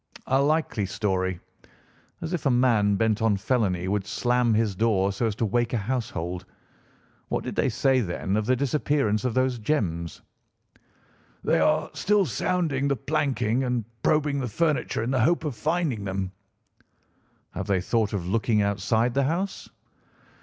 "A likely story! As if a man bent on felony would slam his door so as to wake a household. What did they say, then, of the disappearance of these gems?" "They are still sounding the planking and probing the furniture in the hope of finding them." "Have they thought of looking outside the house?"